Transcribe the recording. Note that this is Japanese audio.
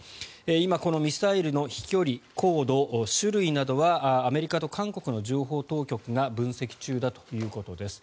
今、このミサイルの飛距離、高度、種類などはアメリカと韓国の情報当局が分析中だということです。